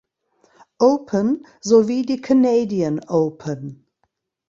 Open sowie die Canadian Open.